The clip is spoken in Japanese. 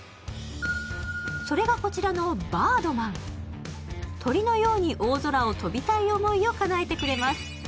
それがこちらのバードマン鳥のように大空を飛びたい思いをかなえてくれます